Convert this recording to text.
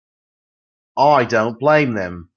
I don't blame them.